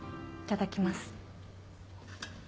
いただきます。